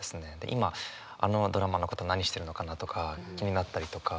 今あのドラマーの方何してるのかなとか気になったりとか。